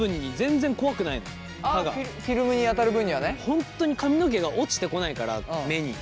本当に髪の毛が落ちてこないから目に。